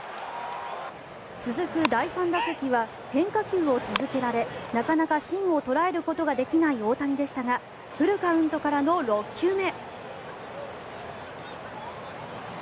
続く第３打席は変化球を続けられなかなか芯を捉えることができない大谷でしたがフルカウントからの６球目。